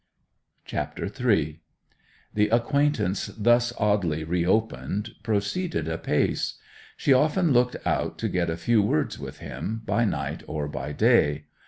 CHAPTER III The acquaintance thus oddly reopened proceeded apace. She often looked out to get a few words with him, by night or by day.